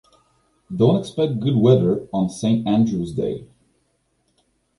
Don’t expect good weather on Saint Andrew’s Day.